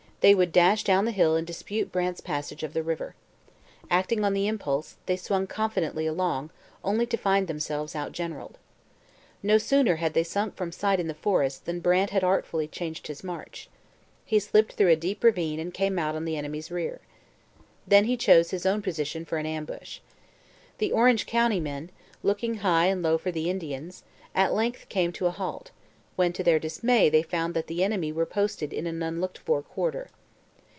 They would dash down the hill and dispute Brant's passage of the river. Acting on the impulse, they swung confidently along, only to find themselves outgeneralled. No sooner had they sunk from sight in the forest than Brant had artfully changed his march. He slipped through a deep ravine and came out on the enemy's rear. Then he chose his own position for an ambush. The Orange county men, looking high and low for the Indians, at length came to a halt, when to their dismay they found that the enemy were posted in an unlooked for quarter.